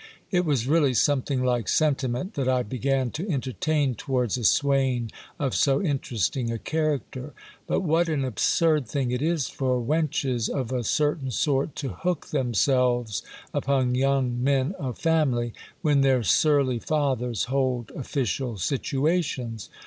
It was really something like sentiment that I began to entertain towards a swain of so interesting a character. But what an absurd thing it is for wenches of a certain sort to hook themselves upon young men of family, when their surly fathers hold official situations